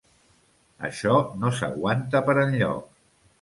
Això no s'aguanta per enlloc.